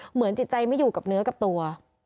เหมือนจิตใจไม่อยู่กับเนื้อกับตัว